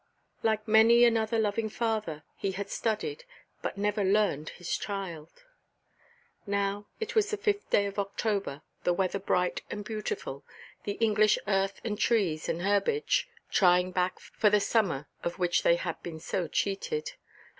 Like many another loving father, he had studied, but never learned his child. Now it was the fifth day of October, the weather bright and beautiful, the English earth and trees and herbage trying back for the summer of which they had been so cheated.